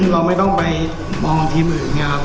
เราไม่ต้องไปมองทีมอื่นไงครับ